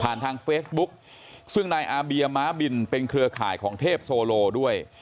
ทางเฟซบุ๊กซึ่งนายอาเบียม้าบินเป็นเครือข่ายของเทพโซโลด้วย